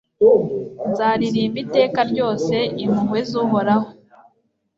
Nzaririmba iteka ryose impuhwe z’Uhoraho